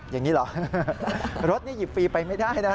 อย่างนี้เหรอรถนี่หยิบฟรีไปไม่ได้นะ